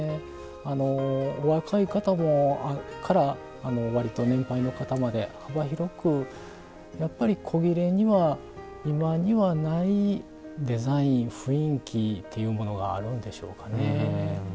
若い方から割と年配の方まで幅広くやっぱり古裂には今にはないデザイン雰囲気というものがあるんでしょうかね。